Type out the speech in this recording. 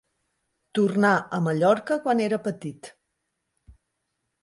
Tornà a Mallorca quan era petit.